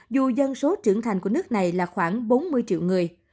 dù dân số trưởng thành của nước này là khoảng bốn mươi triệu người